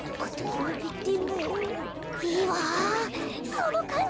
そのかんじ。